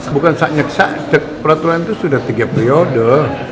bukan saknyek saknyek peraturan itu sudah tiga periode